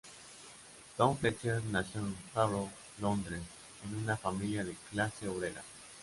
Tom Fletcher nació en Harrow, Londres, en una familia de clase obrera.